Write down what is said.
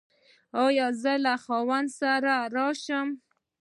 ایا زه له خاوند سره راشم؟